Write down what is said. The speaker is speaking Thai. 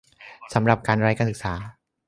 สำหรับ การไร้การศึกษา ?